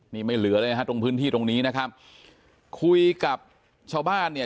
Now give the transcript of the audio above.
นี่ไม่เหลือเลยนะฮะตรงพื้นที่ตรงนี้นะครับคุยกับชาวบ้านเนี่ย